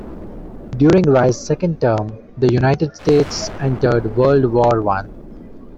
During Rye's second term, the United States entered World War I.